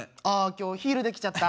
今日ヒールで来ちゃった。